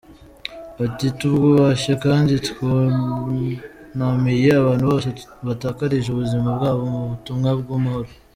Ati: “Twubashye kandi twunamiye abantu bose batakarije ubuzima bwabo mu butumwa bw’amahoro.